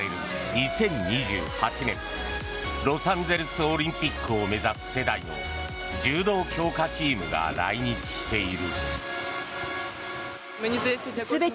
２０２８年ロサンゼルスオリンピックを目指す世代の柔道強化チームが来日している。